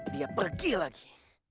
dia pergi lagi